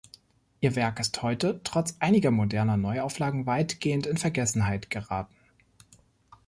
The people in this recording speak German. Ihr Werk ist heute, trotz einiger moderner Neuauflagen, weitgehend in Vergessenheit geraten.